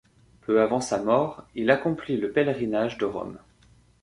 Peu avant sa mort, il accomplit le pèlerinage de Rome.